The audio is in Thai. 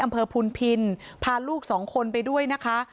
อำเภอพุนภินภาพลูกสองคนไปด้วยนะคะ